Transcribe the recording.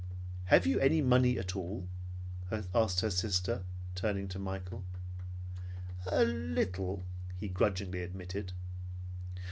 "Have you any money at all?" asked her sister, turning to Michael. "A little," he grudgingly admitted.